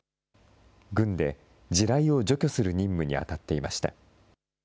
軍で地雷を除去する任務に当たっていました。